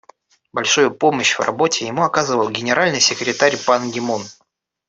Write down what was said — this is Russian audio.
Большую помощь в работе ему оказывал Генеральный секретарь Пан Ги Мун.